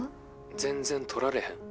全然取られへん。